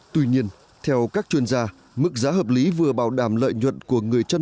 tuy nhiên theo các chuyên gia mức giá hợp lý vừa bảo đảm lợi nhuận của người chăn